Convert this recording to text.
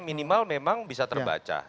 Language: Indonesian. minimal memang bisa terbaca